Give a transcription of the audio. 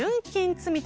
積立。